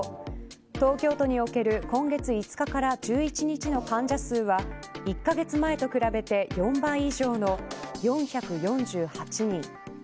東京都における今月５日から１１日の患者数は１カ月前と比べて４倍以上の４４８人。